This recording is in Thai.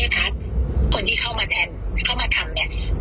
คือนักตั้งแต่วันที่หนึ่งพฤษภาคมนะคะยืนยันเลยค่ะ